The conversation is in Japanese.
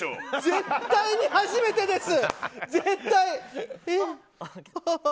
絶対に初めてです！